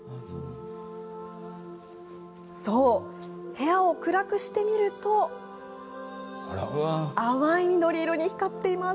そう、部屋を暗くしてみると淡い緑色に光っています。